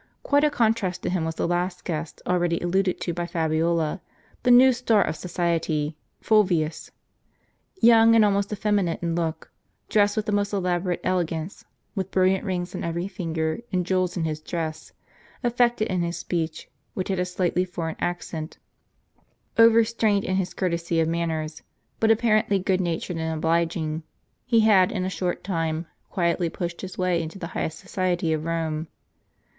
Quite a contrast to him was the last guest, already alluded to by Fabiola, the new star of society, Fulvius. Young, and almost effeminate in look, dressed with most elaborate ele gance, with brilliant rings on every finger and jewels in his dress, affected in his speech, which had a slightly foreign accent, overstrained in his courtesy of manners, but apparently good natured and obliging, he had in a short time quietly pushed his way into the highest society of Rome.